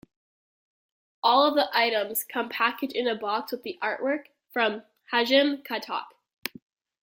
All of the items come packaged in a box with artwork from Hajime Katoki.